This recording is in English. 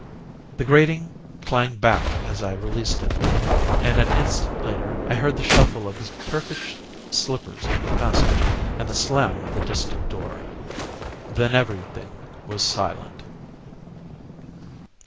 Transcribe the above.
The grating clanged back as I released it, and an instant later I heard the shuffle of the Turkish slippers in the passage, and the slam of the distant door. Then everything was silent.